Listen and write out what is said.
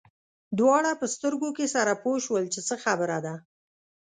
دواړه په سترګو کې سره پوه شول چې خبره څه ده.